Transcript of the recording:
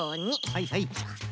はいはい。